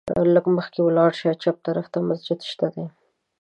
لږ مخکې ولاړ شه، چپ طرف ته مسجد شته دی.